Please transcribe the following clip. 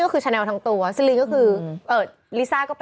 ซื้อชุดหรือยังก่อน